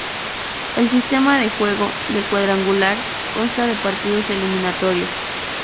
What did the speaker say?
El sistema de juego, del cuadrangular, consta de partidos eliminatorios.